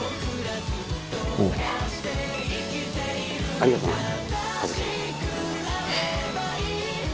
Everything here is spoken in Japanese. ありがとな和樹。